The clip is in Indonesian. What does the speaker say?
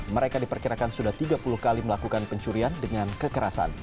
mereka diperkirakan sudah tiga puluh kali melakukan pencurian dengan kekerasan